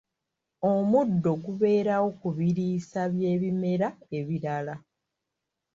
Omuddo gubeerawo ku biriisa by'ebimera ebirala.